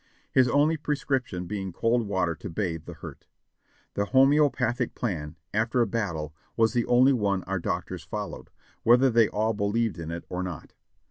His only prescription being cold water to bathe the hurt. The homeopathic plan, after a battle, was the only one our doctors followed, whether they all believed in it or not.